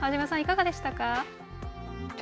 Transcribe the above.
いかがでしたか？